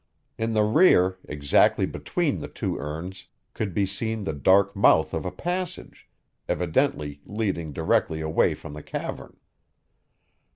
In the rear, exactly between the two urns, could be seen the dark mouth of a passage, evidently leading directly away from the cavern.